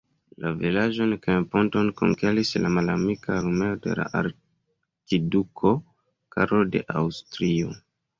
La vilaĝon kaj ponton konkeris la malamika armeo de la arkiduko Karlo de Aŭstrio.